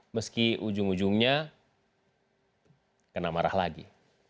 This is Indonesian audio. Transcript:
meski ujung ujungnya kena marah lagi